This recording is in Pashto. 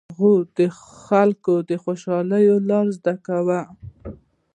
هغه د خلکو د خوشالولو لارې زده کوي.